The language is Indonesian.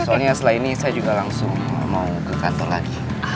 soalnya setelah ini saya juga langsung mau ke kantor lagi